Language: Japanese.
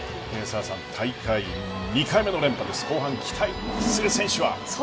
大会２回目の連覇に向け後半期待する選手は？